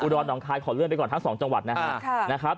ดรหนองคายขอเลื่อนไปก่อนทั้ง๒จังหวัดนะครับ